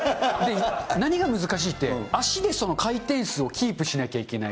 何が難しいかって、足で回転数をキープしなきゃいけない。